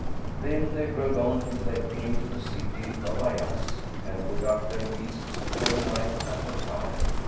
Then they rode on till they came to the city of Ayбs[FN#105] and put up their beasts for the night at the Khan.